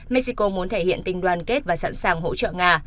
mexico muốn thể hiện tình đoàn kết và sẵn sàng hỗ trợ nga